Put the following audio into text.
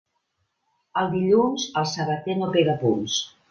El dilluns, el sabater no pega punts.